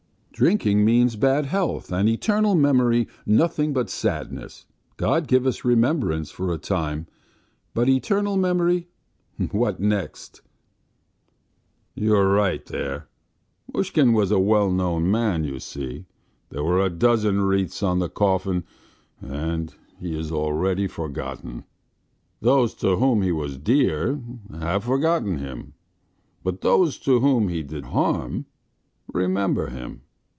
"Drinking means bad health, and eternal memory nothing but sadness. God give us remembrance for a time, but eternal memory what next!" "You are right there. Mushkin was a well known man, you see; there were a dozen wreaths on the coffin, and he is already forgotten. Those to whom he was dear have forgotten him, but those to whom he did harm remember him.